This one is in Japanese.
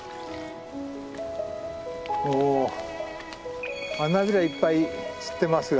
お花びらいっぱい散ってますが。